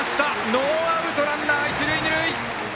ノーアウト、ランナー、一塁二塁。